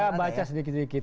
ya baca sedikit sedikit